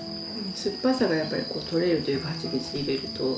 酸っぱさがやっぱり取れるというかハチミツを入れると。